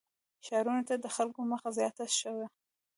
• ښارونو ته د خلکو مخه زیاته شوه.